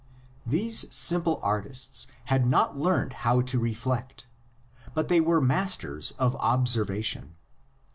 These simple artists had not learned how to reflect; but they were masters of observation.